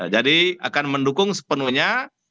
jadi akan mendukung sepenuhnya